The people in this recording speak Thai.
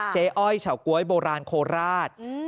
อ้อยเฉาก๊วยโบราณโคราช